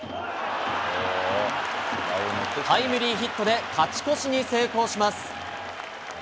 タイムリーヒットで、勝ち越しに成功します。